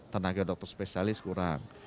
tenaga dokter spesialis kurang